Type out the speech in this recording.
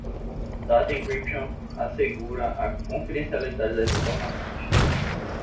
Data Encryption assegura a confidencialidade das informações.